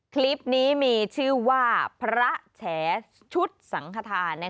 คลิปนี้มีชื่อว่าพระแฉชุดสังขทาน